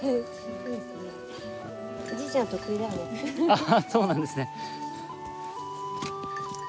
ああそうなんですね。